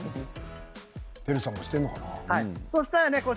テルさんもしているのかな？